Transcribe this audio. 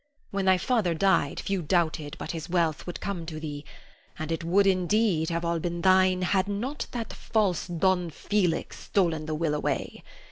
When thy father died, few doubted but his wealth would come to thee; and it would, indeed, have all been thine had not that false Don Felix stolen the will away.